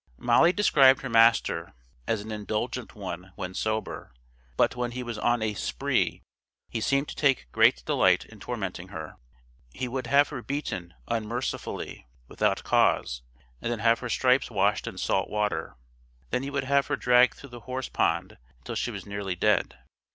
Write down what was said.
Molly described her master as an indulgent one when sober, but when he was on a "spree" he seemed to take great delight in tormenting her. He would have her beaten unmercifully without cause, and then have her stripes washed in salt water, then he would have her dragged through the horse pond until she was nearly dead.